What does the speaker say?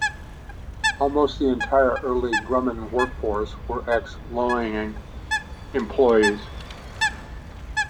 Almost the entire early Grumman work force were ex-Loening employees.